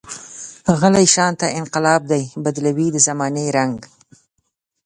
غلی شانته انقلاب دی، بدلوي د زمانې رنګ.